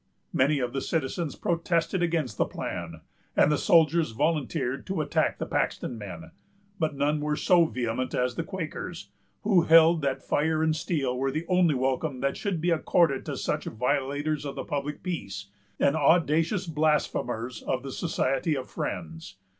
Many of the citizens protested against the plan, and the soldiers volunteered to attack the Paxton men; but none were so vehement as the Quakers, who held that fire and steel were the only welcome that should be accorded to such violators of the public peace, and audacious blasphemers of the society of Friends.